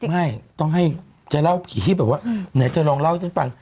ไม่ต้องให้จะเล่ากี่ที่แบบว่าไหนเธอลองเล่าให้ฉันฟัง